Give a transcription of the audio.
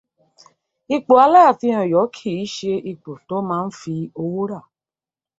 Ipò aláàfin Ọ̀yọ́ kì í ṣe ipò tọ́ má ń fi owó rà.